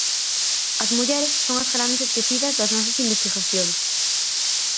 As mulleres son as grandes esquecidas das nosas investigacións.